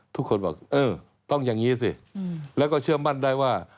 ทุกคนบอกเออต้องอย่างนี้สิแล้วก็เชื่อมั่นได้ว่า